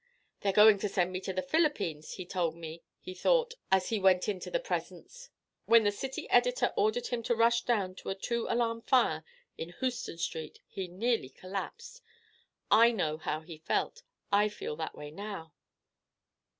'They're going to send me to the Philippines,' he told me he thought as he went into the presence. When the city editor ordered him to rush down to a two alarm fire in Houston Street he nearly collapsed. I know how he felt. I feel that way now."